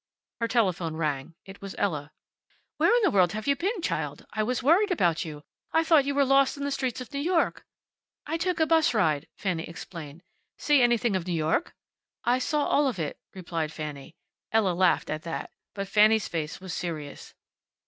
Her telephone rang. It was Ella. "Where in the world have you been, child? I was worried about you. I thought you were lost in the streets of New York." "I took a 'bus ride," Fanny explained. "See anything of New York?" "I saw all of it," replied Fanny. Ella laughed at that, but Fanny's face was serious.